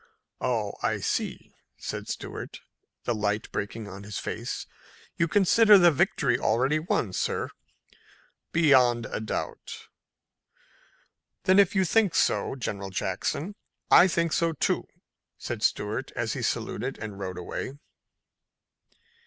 "Oh, I see," said Stuart, the light breaking on his face. "You consider the victory already won, sir?" "Beyond a doubt." "Then if you think so, General Jackson, I think so, too," said Stuart, as he saluted and rode away.